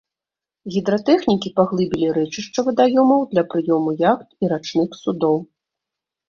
Гідратэхнікі паглыбілі рэчышча вадаёмаў для прыёму яхт і рачных судоў.